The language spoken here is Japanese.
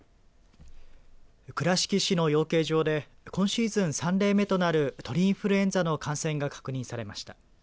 倉敷市の養鶏場で今シーズン３例目となる鳥インフルエンザの感染が確認されました。